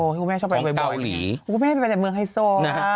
อ้อที่คุณแม่ชอบไปบ่อยพรุ่งเมียไปในเมืองไฮโซ่ค่ะ